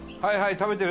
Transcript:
食べてる？